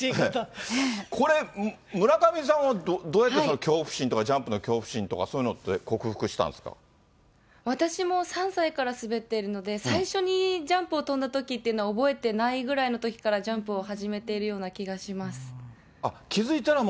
これ、村上さんはどうやって、恐怖心とか、ジャンプの恐怖心とかそういうのって、克服したんで私も３歳から滑っているので、最初にジャンプを跳んだときっていうのは、覚えてないぐらいのときからジャンプを始めているような気がします。